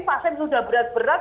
pasien sudah berat berat